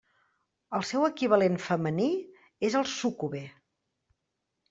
El seu equivalent femení és el súcube.